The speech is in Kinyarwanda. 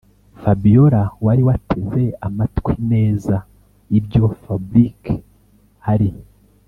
fabiora wari wateze amatwi neza ibyo fabric ari